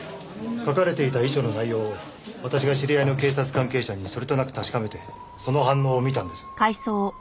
書かれていた遺書の内容を私が知り合いの警察関係者にそれとなく確かめてその反応を見たんです。